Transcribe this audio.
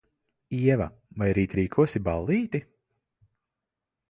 Ieva, vai rīt rīkosi ballīti?